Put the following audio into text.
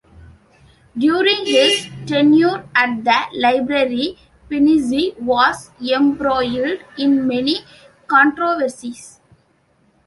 During his tenure at the library, Panizzi was embroiled in many controversies.